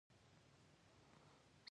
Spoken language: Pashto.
سپي ښه ساتونکی وي.